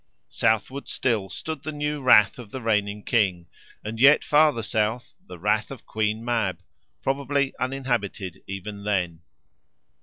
Southward still stood the new rath of the reigning king, and yet farther south, the rath of Queen Mab, probably uninhabited even then.